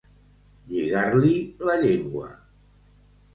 Lligar-li la llengua.